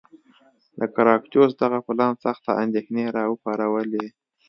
د ګراکچوس دغه پلان سختې اندېښنې را وپارولې.